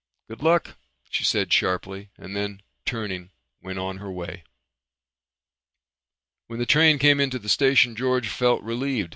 "Good luck," she said sharply and then turning went on her way. When the train came into the station George felt relieved.